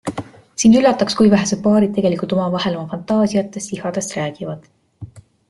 Sind üllataks, kui vähesed paarid tegelikult omavahel oma fantaasiatest ja ihadest räägivad.